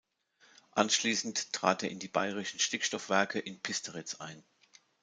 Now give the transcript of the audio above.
Anschließend trat er in die Bayerischen Stickstoffwerke in Piesteritz ein.